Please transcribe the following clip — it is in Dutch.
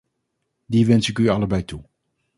Die wens ik u allebei toe.